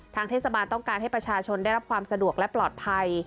เทศบาลต้องการให้ประชาชนได้รับความสะดวกและปลอดภัย